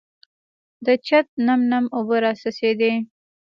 د چته نم نم اوبه راڅڅېدې .